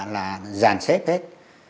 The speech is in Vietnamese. là giàn xét hết